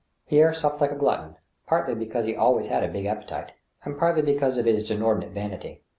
Pierre supped like a glutton, partly because he always had a big appetite, and partly because of his inordinate vanity.